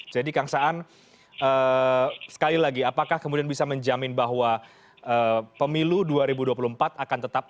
jadi kang saan sekali lagi apakah kemudian bisa menjamin bahwa pemilu dua ribu dua puluh empat akan tetap on schedule apapun sekarang situasi yang tengah dihadapi